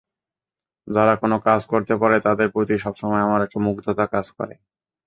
যারা কোনো কাজ করতে পারে তাদের প্রতি সবসময় আমার একটা মুগ্ধতা কাজ করে।